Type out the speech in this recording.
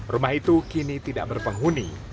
rumah itu kini tidak berpenghuni